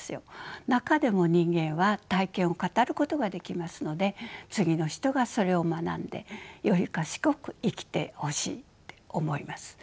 中でも人間は体験を語ることができますので次の人がそれを学んでより賢く生きてほしいって思います。